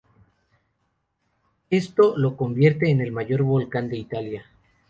Esto lo convierte en el mayor volcán de Italia.